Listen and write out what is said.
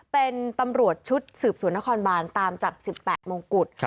เป็นตำรวจชุดสืบสวนนครบานตามจับ๑๘มงกุฎ